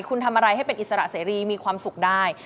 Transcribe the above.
คุณทำอะไรให้เป็นอิสระเสรีมีความสุขได้